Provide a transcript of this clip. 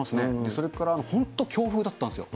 それから本当、強風だったんですよ。